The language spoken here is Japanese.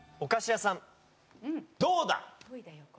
どうだ？